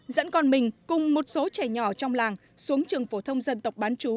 dẫn con mình cùng một số trẻ nhỏ trong làng xuống trường phổ thông dân tộc bán chú